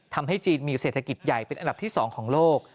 ทำให้จีนมีเศรษฐกิจใหญ่เป็นอันดับที่๒ของโลก